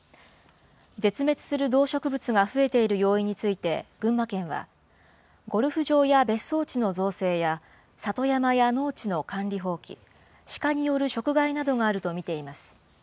絶滅する動植物が増えている要因について、群馬県は、ゴルフ場や別荘地の造成や里山や農地の管理放棄、シカによる食害などがあると見ています。